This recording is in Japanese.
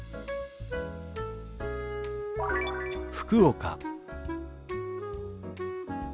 「福岡」。